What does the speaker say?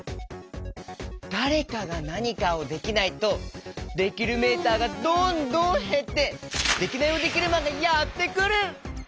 だれかがなにかをできないとできるメーターがどんどんへってデキナイヲデキルマンがやってくる！